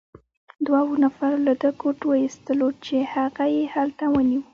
دوو نفر له ده کوټ وکیښ، چې هغه يې هلته ونیو.